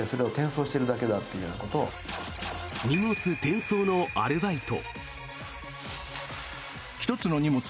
荷物転送のアルバイト。